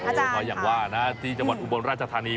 อาจารย์อย่างว่านะที่จังหวัดอุบรรณราชธานี